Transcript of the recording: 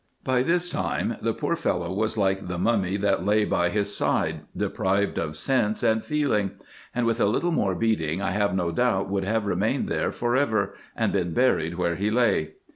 By this time the poor fellow was like the mummy that lay by his side, deprived of sense and feeling ; and with a little more beating I have no doubt would have remained there for ever, and been buried where he lay.